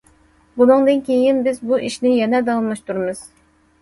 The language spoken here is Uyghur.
بۇنىڭدىن كېيىن بىز بۇ ئىشنى يەنە داۋاملاشتۇرىمىز.